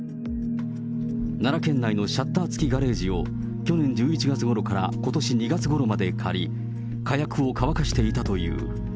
奈良県内のシャッター付きガレージを、去年１１月ごろからことし２月ごろまで借り、火薬を乾かしていたという。